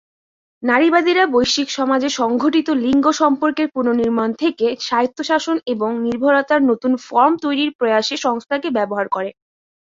নারীবাদীরা বৈশ্বিক সমাজে সংঘটিত লিঙ্গ সম্পর্কের পুনর্নির্মাণ থেকে স্বায়ত্তশাসন এবং নির্ভরতার নতুন ফর্ম তৈরির প্রয়াসে সংস্থাকে ব্যবহার করে।